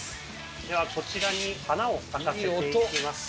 ではこちらに花を咲かせていきます。